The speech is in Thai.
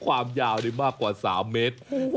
ความยาวมากกว่า๓เมตร